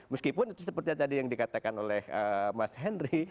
meskipun itu seperti yang tadi yang dikatakan oleh mas henry